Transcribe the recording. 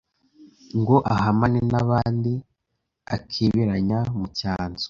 Ngo ahamane n’abandi Akeberanya mu cyanzu